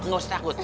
nggak usah takut